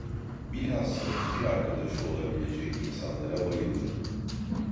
Bilhassa fikir arkadaşı olabilecek insanlara bayılırım.